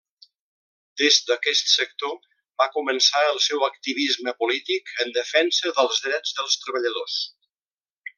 Des d'aquest sector va començar el seu activisme polític en defensa dels drets dels treballadors.